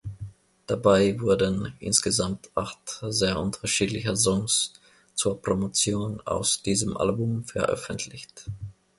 Dabei wurden insgesamt acht sehr unterschiedliche Songs zur Promotion aus diesem Album veröffentlicht.